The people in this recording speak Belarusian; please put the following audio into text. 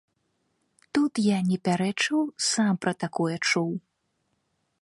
Тут я не пярэчыў, сам пра такое чуў.